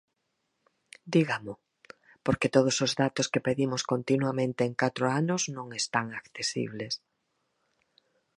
Dígamo, porque todos os datos que pedimos continuamente en catro anos non están accesibles.